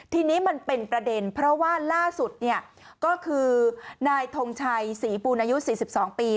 ทีนี้มันเป็นประเด็นเพราะว่าล่าสุดเนี่ยก็คือนายทงชัยศรีปูนอายุ๔๒ปี